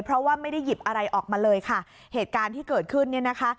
เพราะว่าไม่ได้หยิบอะไรออกมาเลยค่ะเหตุการณ์ที่เกิดขึ้นเนี่ยนะคะ